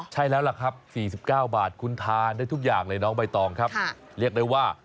คือถ้าฉันทานข้าวแกง๔๐บาทแล้วนะ